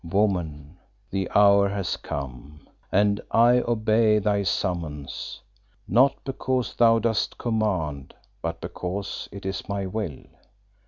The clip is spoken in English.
"Woman, the hour has come, and I obey thy summons not because thou dost command but because it is my will.